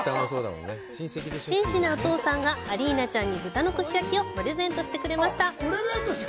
紳士なお父さんがアリーナちゃんに豚の串焼きをプレゼントしてくれました。